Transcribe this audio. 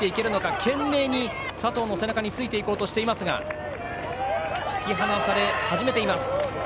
懸命に佐藤の背中についていこうとしていますが引き離され始めています。